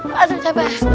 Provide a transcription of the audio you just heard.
pak udah capek